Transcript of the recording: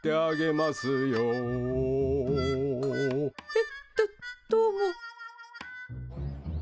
えっどどうも。